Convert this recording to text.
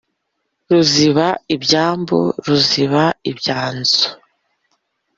Rusiba ibymbu ruziba ibyanzu.